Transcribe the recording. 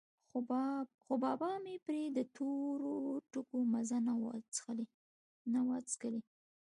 خو بابا مې پرې د تورو ټکو مزه نه وڅکلې.